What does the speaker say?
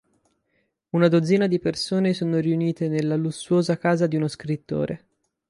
Una dozzina di persone sono riunite nella lussuosa casa di uno scrittore.